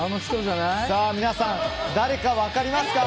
皆さん、誰か分かりますか？